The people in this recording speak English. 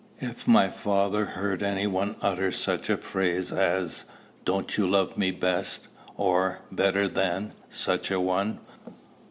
If my father heard any one utter such a phrase as "Don't you love me best?" or, "better than" such a one?